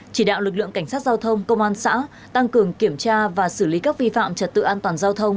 chỉ đạo lực lượng cảnh sát giao thông công an xã tăng cường kiểm tra và xử lý các vi phạm trật tự an toàn giao thông